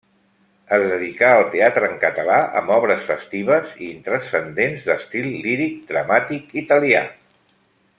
Es dedicà al teatre en català amb obres festives i intranscendents d'estil líric-dramàtic italià.